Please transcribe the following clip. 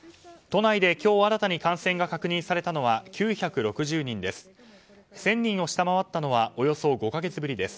都内で今日新たに感染が確認されたのは９６０人です。